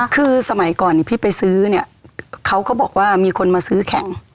คือสมัยก่อนพี่ไปซื้อเนี่ยเขาก็บอกว่ามีคนมาซื้อแข่ง